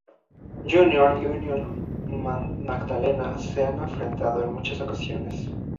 Junior y Unión Magdalena se han enfrentado en muchas ocasiones.